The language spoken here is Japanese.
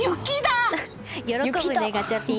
喜ぶね、ガチャピン。